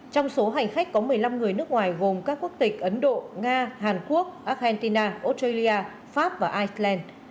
trong số hành khách có một mươi năm người nước ngoài gồm các quốc tịch ấn độ nga hàn quốc argentina australia pháp và iceland